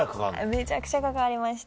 めちゃくちゃかかりました。